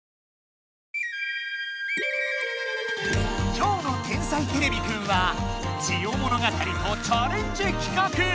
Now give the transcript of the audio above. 今日の「天才てれびくん」は「ジオ物語」とチャレンジ企画！